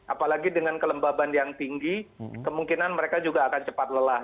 apalagi dengan kelembaban yang tinggi kemungkinan mereka juga akan cepat lelah